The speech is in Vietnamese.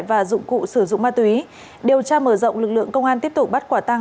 và dụng cụ sử dụng ma túy điều tra mở rộng lực lượng công an tiếp tục bắt quả tăng